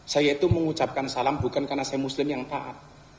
saya itu mengucapkan salam bukan karena saya muslim yang taat